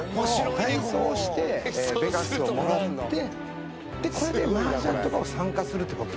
体操してベガスをもらってマージャンとかを参加するってことですか。